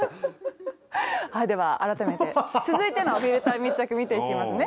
はいでは改めて続いてのフィルター密着見ていきますね。